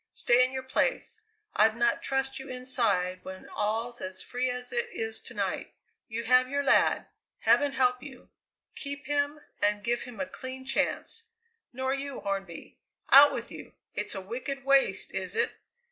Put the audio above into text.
Stay in your place; I'd not trust you inside when all's as free as it is to night. You have your lad heaven help you! Keep him and give him a clean chance. Nor you, Hornby! Out with you! It's a wicked waste, is it?